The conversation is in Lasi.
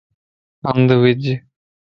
ھنڌ وج